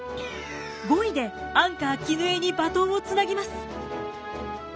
５位でアンカー絹枝にバトンをつなぎます。